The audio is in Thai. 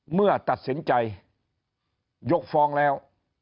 เมื่อตัดสินใจยกฟ้องแล้ว